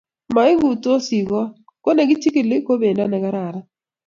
maguitosi kot ko nekichikili ko pendo ne kararan